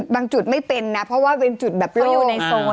บางจุดไม่เป็นนะเพราะว่าเป็นจุดแบบโลก